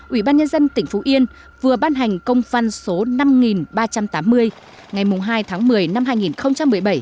ủy ban nhân dân tỉnh phú yên vừa ban hành công văn số năm ba trăm tám mươi ngày hai tháng một mươi năm hai nghìn một mươi bảy